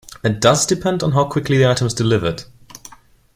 It does depend on how quickly the item is delivered.